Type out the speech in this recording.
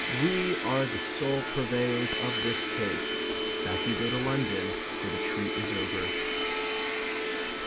"We are the sole purveyors of this cake." Back you go to London; for the treat is over.